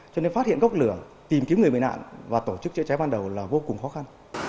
cho nên phát hiện gốc lửa tìm kiếm người bị nạn và tổ chức chữa cháy ban đầu là vô cùng khó khăn